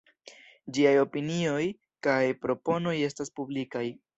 Ĝiaj opinioj kaj proponoj estas publikaj.